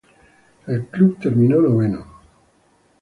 El club terminó noveno.